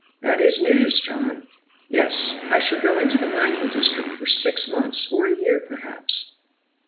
"That is news, John." "Yes. I shall go into the mining district for six months or a year, perhaps."